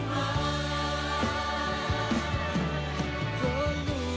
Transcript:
เพราะนี่คือคนไทย